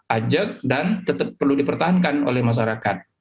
ajak dan tetap perlu dipertahankan oleh masyarakat